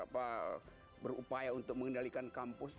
berupaya untuk mengendalikan kampus